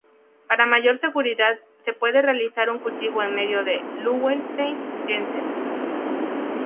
Para mayor seguridad se puede realizar un cultivo en medio de Löwenstein-Jensen.